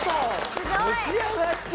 すごい！